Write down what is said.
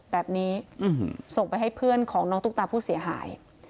แบบนี้ส่งไปให้เพื่อนของน้องตุ๊กตาผู้เสียหาย